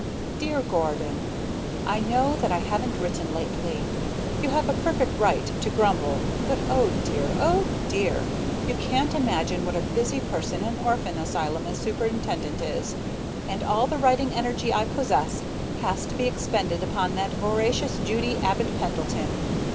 Dear Gordon: I know that I haven't written lately; you have a perfect right to grumble, but oh dear! oh dear! you can't imagine what a busy person an orphan asylum superintendent is. And all the writing energy I possess has to be expended upon that voracious Judy Abbott Pendleton.